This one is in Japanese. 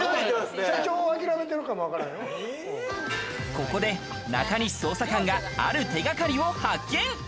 ここで中西捜査官がある手掛かりを発見。